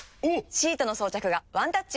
シートの装着がワンタッチ！